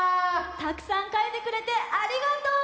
たくさんかいてくれてありがとう！